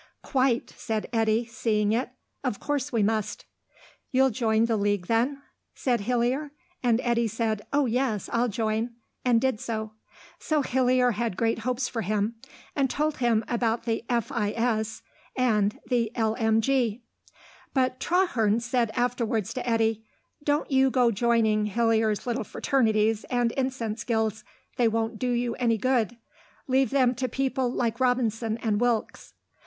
"Quite," said Eddy, seeing it. "Of course we must." "You'll join the Guild, then?" said Hillier, and Eddy said, "Oh, yes, I'll join," and did so. So Hillier had great hopes for him, and told him about the F.I.S., and the L.M.G. But Traherne said afterwards to Eddy, "Don't you go joining Hillier's little Fraternities and Incense Guilds. They won't do you any good. Leave them to people like Robinson and Wilkes."